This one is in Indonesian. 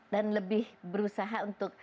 dan lebih berusaha untuk